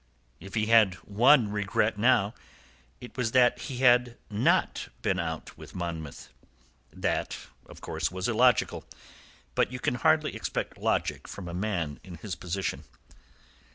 If he had one regret now it was that he had not been out with Monmouth. That, of course, was illogical; but you can hardly expect logic from a man in his position.